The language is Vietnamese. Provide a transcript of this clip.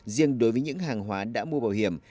riêng đối với những hàng hóa đã mua bảo hiểm